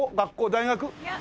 大学？